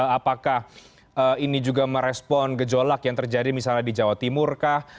apakah ini juga merespon gejolak yang terjadi misalnya di jawa timur kah